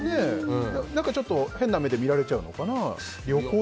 何かちょっと変な目で見られちゃうのかな。